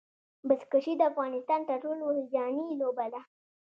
بزکشي د افغانستان تر ټولو هیجاني لوبه ده.